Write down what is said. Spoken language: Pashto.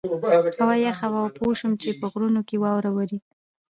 هوا یخه وه او پوه شوم چې په غرونو کې واوره وورې.